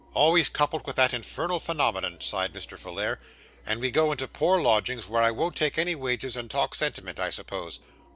'Always coupled with that infernal phenomenon,' sighed Mr. Folair; 'and we go into poor lodgings, where I won't take any wages, and talk sentiment, I suppose?